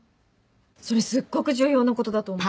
それすっごく重要なことだと思う。